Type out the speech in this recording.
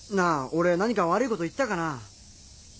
俺何か悪いこと言ったかな？